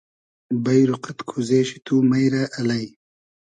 بݷرو قئد کوزې شی تو مݷ رۂ الݷ